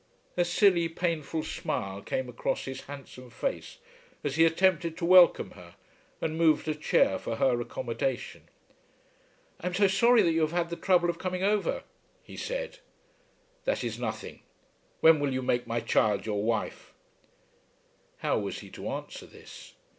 A silly, painful smile came across his handsome face as he attempted to welcome her, and moved a chair for her accommodation. "I am so sorry that you have had the trouble of coming over," he said. "That is nothing. When will you make my child your wife?" How was he to answer this?